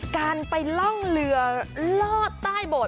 การไปล่องเรือลอดใต้โบสถ